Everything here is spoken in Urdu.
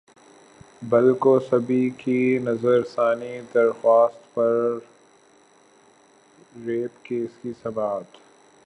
بل کوسبی کی نظرثانی درخواست پر ریپ کیس کی سماعت